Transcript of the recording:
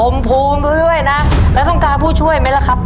อมภูมิด้วยนะแล้วต้องการผู้ช่วยไหมละครับ